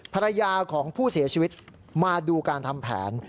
ภรรยาของผู้เสียชีวิตมาดูการทำแผน